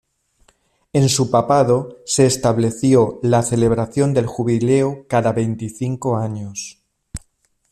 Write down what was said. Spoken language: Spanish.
En su papado se estableció la celebración del jubileo cada veinticinco años.